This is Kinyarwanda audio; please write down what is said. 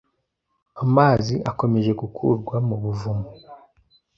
Amazi akomeje gukurwa mu buvumo,